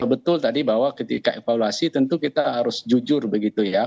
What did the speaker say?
betul tadi bahwa ketika evaluasi tentu kita harus jujur begitu ya